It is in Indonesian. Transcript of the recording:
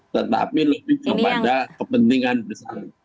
tetapi lebih kepada kepentingan besar